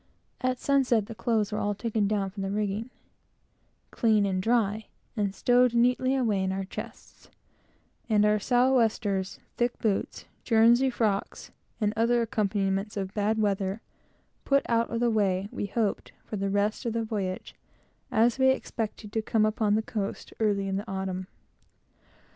At sundown the clothes were all taken down from the rigging clean and dry and stowed neatly away in our chests; and our southwesters, thick boots, guernsey frocks, and other accompaniments of bad weather, put out of the way, we hoped, for the rest of the voyage, as we expected to come upon the coast early in the autumn.